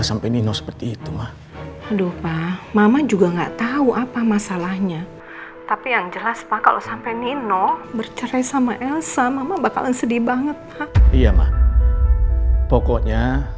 sampai jumpa di video selanjutnya